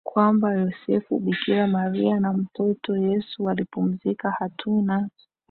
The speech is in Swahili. kwamba Yosefu Bikira Maria na mtoto Yesu walipumzika Hatuna